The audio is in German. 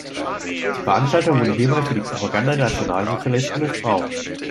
Die Veranstaltung wurde hierbei für die Propaganda der Nationalsozialisten missbraucht.